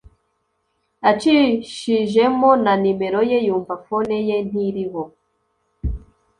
acishijemo na numero ye yumva phone ye ntiriho